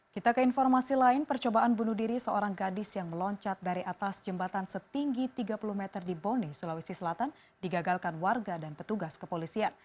kita ke informasi lain percobaan bunuh diri seorang gadis yang meloncat dari atas jembatan setinggi tiga puluh meter di boni sulawesi selatan digagalkan warga dan petugas kepolisian